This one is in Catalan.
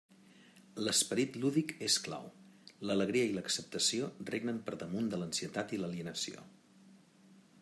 L'esperit lúdic és clau, l'alegria i l'acceptació regnen per damunt de l'ansietat i l'alienació.